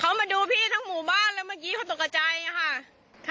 เขามาดูพี่ทั้งหมู่บ้านแล้วเมื่อกี้เขาตกกระใจค่ะ